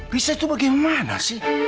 riza itu bagaimana sih